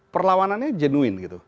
perlawanannya jenuin gitu